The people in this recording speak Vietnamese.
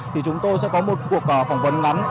thì chúng tôi sẽ có một cuộc phỏng vấn ngắn